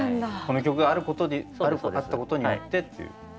この曲があることであったことによってっていう。